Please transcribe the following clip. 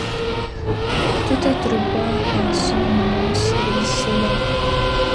Tout être boit un sang immense, ruisselant